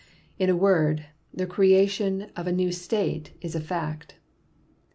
In a word, the creation of a new state is a fact.